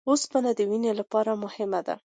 اوسپنه د وینې لپاره مهمه ده